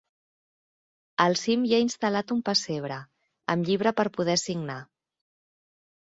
Al cim hi ha instal·lat un pessebre, amb llibre per poder signar.